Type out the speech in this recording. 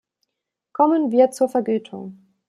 Kommen wir zur Vergütung.